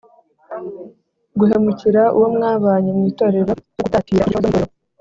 guhemukira uwo mwabanye mu itorero, no gutatira inyigisho zo mu itorero.